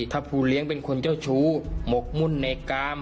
ถ้าผู้เลี้ยงเป็นคนเจ้าชู้หมกมุ่นในกาม